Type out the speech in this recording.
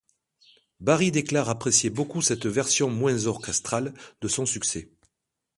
Barry déclare apprécier beaucoup cette version moins orchestrale de son succès.